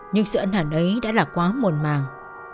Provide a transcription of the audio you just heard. nhưng sự ân hẳn ấy đã là quá muộn màng